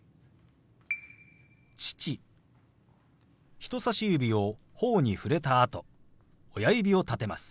人さし指をほおに触れたあと親指を立てます。